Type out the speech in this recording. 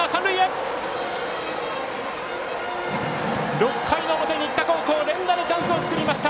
６回の表、新田高校連打のチャンスを作りました。